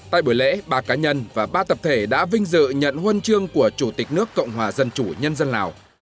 tại buổi lễ ba cá nhân và ba tập thể đã vinh dự nhận huân chương của chủ tịch nước cộng hòa dân chủ nhân dân lào